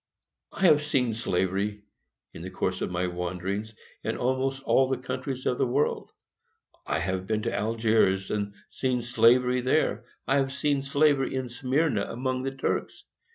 I have seen slavery, in the course of my wanderings, in almost all the countries in the world. I have been to Algiers, and seen slavery there. I have seen slavery in Smyrna, among the Turks.